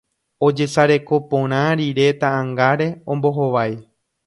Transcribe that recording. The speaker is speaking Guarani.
ojesareko porã rire ta'ãngáre ombohovái